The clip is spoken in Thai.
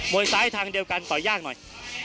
วยซ้ายทางเดียวกันต่อยากหน่อย